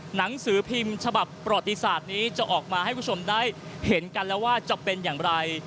หนังสือพิมพ์ฉบับประวัติศาสตร์นี้จะออกมาให้คุณผู้ชมได้เห็นกันแล้วว่าจะเป็นอย่างไร